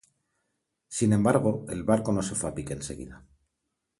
Sin embargo, el barco no se fue a pique enseguida.